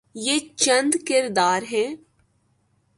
یہ چند کردار ہیں۔